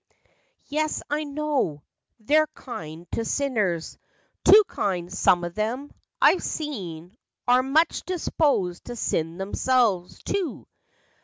"Yes, I know; they're kind to sinners, Too kind, some of them, I 've seen, are— Much disposed to sin themselves, too.